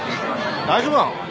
大丈夫なの？